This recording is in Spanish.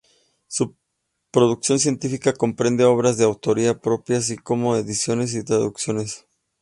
Su producción científica comprende obras de autoría propia, así como ediciones y traducciones.